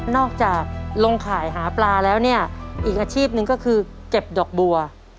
จากลงข่ายหาปลาแล้วเนี่ยอีกอาชีพหนึ่งก็คือเก็บดอกบัว